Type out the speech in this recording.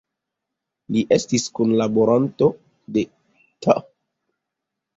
Li estis kunlaboranto de Th.